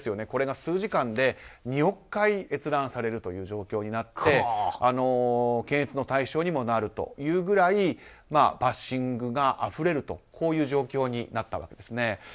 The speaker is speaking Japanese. これが数時間で２億回閲覧されるという状況になって検閲の対象にもなるぐらいバッシングがあふれるという状況になったわけです。